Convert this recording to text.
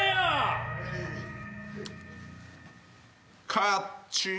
カッチーン。